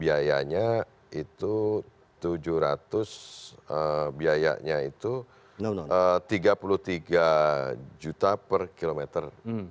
biayanya itu tujuh ratus biayanya itu rp tiga puluh tiga juta per kilometer